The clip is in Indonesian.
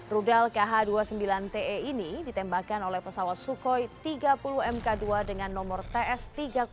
rudal kh dua puluh sembilan te ini ditembakkan oleh pesawat sukhoi tiga puluh mk dua dengan nomor ts tiga